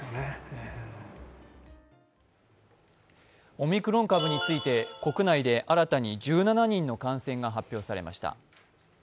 オミクロン株について、国内で新たに１７人の感染が発表されました。